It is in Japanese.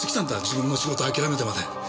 自分の仕事諦めてまで。